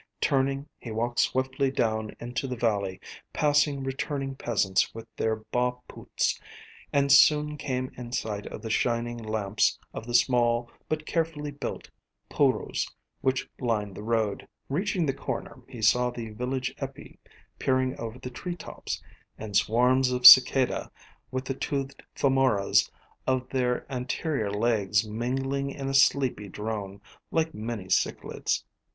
Turning, he walked swiftly down into the valley, passing returning peasants with their baa poots, and soon came in sight of the shining lamps of the small but carefully built pooroos which lined the road. [Illustration: "She turned like a frightened aardvark." (Male, greatly reduced.)] Reaching the corner he saw the village epi peering over the tree tops, and swarms of cicada, with the toothed famoras of their anterior legs mingling in a sleepy drone, like many cichlids.